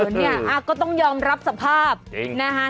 เนี่ยก็ต้องยอมรับสภาพนะฮะ